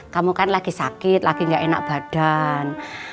kamu kan lagi sakit lagi gak enak badan